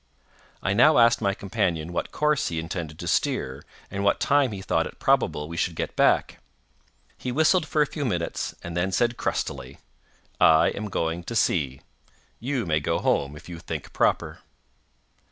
I now asked my companion what course he intended to steer, and what time he thought it probable we should get back. He whistled for a few minutes, and then said crustily: "I am going to sea—you may go home if you think proper."